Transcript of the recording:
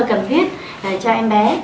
cần thiết cho em bé